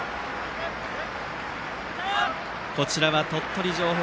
こちらは鳥取城北。